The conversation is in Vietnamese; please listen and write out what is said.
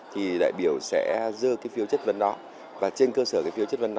thì đại biểu sẽ dơ cái phiên chất vấn đó và trên cơ sở cái phiếu chất vấn đó